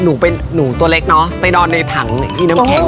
หนูเป็นหนูตัวเล็กเนาะไปนอนในถังพี่น้ำแข็ง